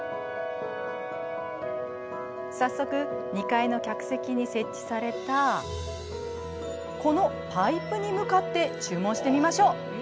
早速２階の客席に設置されたこのパイプに向かって注文してみましょう。